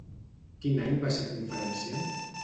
Quin any va ser conferenciant?